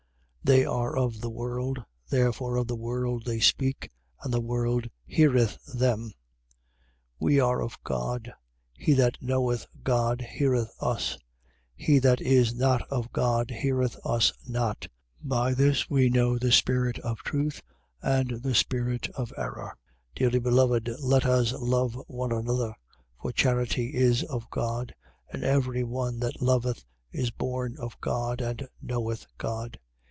4:5. They are of the world. Therefore of the world they speak: and the world heareth them. 4:6. We are of God. He that knoweth God heareth us. He that is not of God heareth us not. By this we know the spirit of truth and the spirit of error. 4:7. Dearly beloved, let us love one another: for charity is of God. And every one that loveth is born of God and knoweth God.